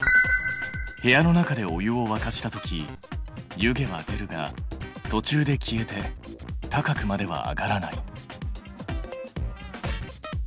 部屋の中でお湯をわかした時湯気は出るがとちゅうで消えて高くまでは上がらない。